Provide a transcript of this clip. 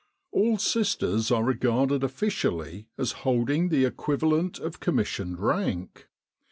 All sisters are regarded officially as holding the equivalent of commissioned rank.